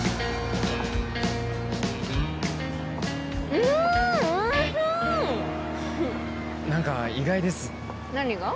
うんおいしい何か意外です何が？